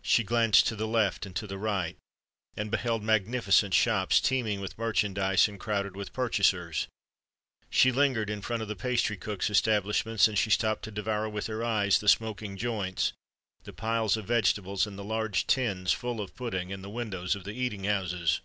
She glanced to the left and to the right, and beheld magnificent shops teeming with merchandise, and crowded with purchasers:—she lingered in front of the pastry cooks' establishments;—and she stopped to devour with her eyes the smoking joints, the piles of vegetables, and the large tins full of pudding, in the windows of the eating houses!